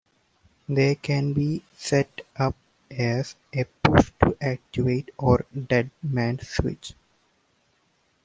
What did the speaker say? They can be set up as a push-to-activate or dead man's switch.